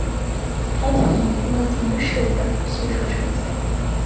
该片以梦境式的叙述呈现。